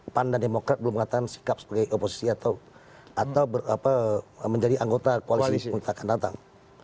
pandan demokrat belum mengatakan sikap sebagai oposisi atau menjadi anggota koalisi yang tak akan datang